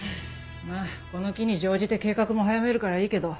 まぁこの機に乗じて計画も早めるからいいけど。